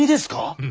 うん。